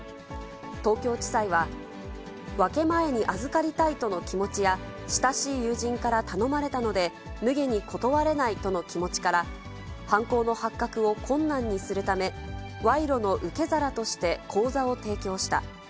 東京地裁は、分け前にあずかりたいとの気持ちや、親しい友人から頼まれたのでむげに断れないとの気持ちから、犯行の発覚を困難にするため、賄賂の受け皿として口座を提供した。